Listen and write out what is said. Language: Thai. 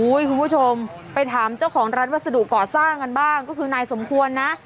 คุณผู้ชมไปถามเจ้าของร้านวัสดุก่อสร้างกันบ้างก็คือนายสมควรนะ